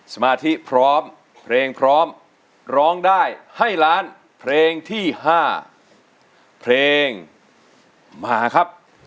สมาธิพร้อมเพลงพร้อมร้องได้ให้ล้านเพลงที่๕เพลงมาครับ